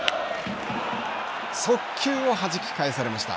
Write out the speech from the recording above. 速球をはじき返されました。